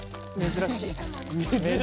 珍しい。